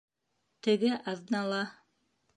Теге аҙнала